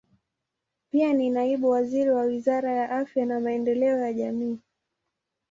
Pia ni naibu waziri wa Wizara ya Afya na Maendeleo ya Jamii.